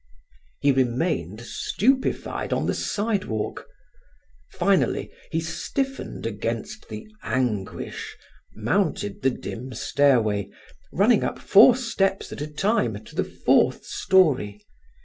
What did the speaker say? He remained, stupefied, on the sidewalk; finally, he stiffened against the anguish, mounted the dim stairway, running up four steps at a time to the fourth story.